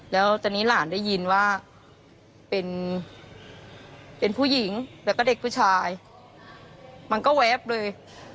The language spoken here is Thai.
แล้วตอนนี้หลานได้ยินว่าเป็นผู้หญิงแล้วก็เด็กผู้ชายมันก็แวบเลย